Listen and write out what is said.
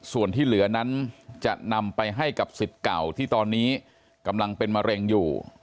ส่วนที่เหลือนั้นจะนำไปให้กับสิทธิ์เก่าที่ตอนนี้กำลังเป็นมะเร็งอยู่